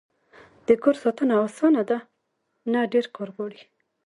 د کور ساتنه اسانه ده؟ نه، ډیر کار غواړی